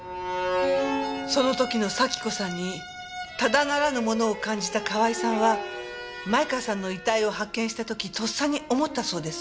その時の咲子さんにただならぬものを感じた河合さんは前川さんの遺体を発見した時とっさに思ったそうです。